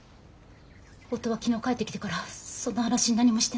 夫は昨日帰ってきてからそんな話何もしてなかったし。